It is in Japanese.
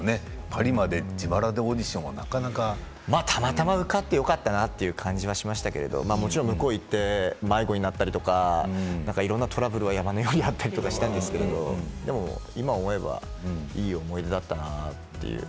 パリまで自腹でオーディションはたまたま受かってよかったなっていう感じがありましたけどもちろん向こうに行って迷子になったりいろんなトラブルは山のようにあったとしたんですけど今思えば、いい思い出だったなと。